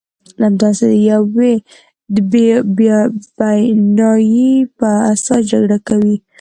د همداسې یوې بیانیې په اساس جګړه کوي.